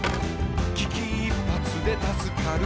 「危機一髪で助かる」